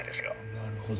なるほど。